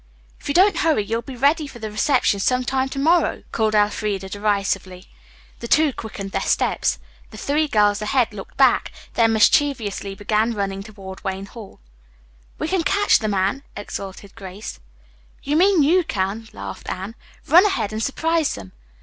"If you don't hurry, you'll be ready for the reception some time to morrow," called Elfreda derisively. The two quickened their steps. The three girls ahead looked back, then mischievously began running toward Wayne Hall. "We can catch them, Anne," exulted Grace. "You mean you can," laughed Anne. "Run ahead and surprise them."